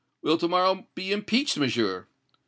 "Will to morrow be impeached, Monsieur!"